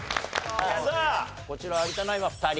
さあこちら有田ナインは２人。